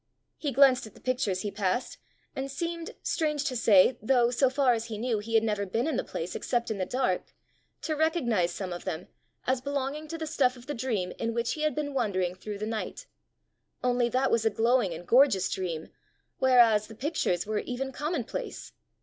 He glanced at the pictures he passed, and seemed, strange to say, though, so far as he knew, he had never been in the place except in the dark, to recognize some of them as belonging to the stuff of the dream in which he had been wandering through the night only that was a glowing and gorgeous dream, whereas the pictures were even commonplace!